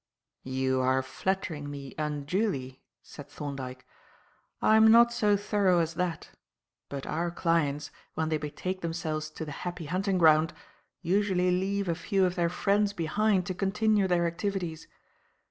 "You are flattering me unduly," said Thorndyke. "I'm not so thorough as that; but our clients, when they betake themselves to the happy hunting ground, usually leave a few of their friends behind to continue their activities.